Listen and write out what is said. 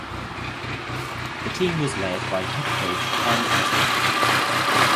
The team was led by head coach Tom Asbury.